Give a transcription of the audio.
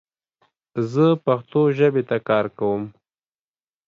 زه پښتو ژبې ته کار کوم